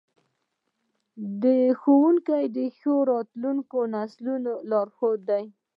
ښوونکي د راتلونکو نسلونو لارښوونکي دي.